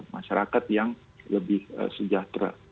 masyarakat yang lebih sejahtera